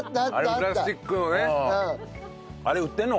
プラスチックのね。